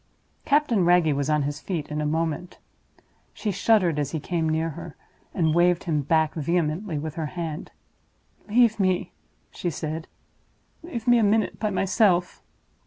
Captain Wragge was on his feet in a moment. She shuddered as he came near her, and waved him back vehemently with her hand. "Leave me!" she said; "leave me a minute by myself!"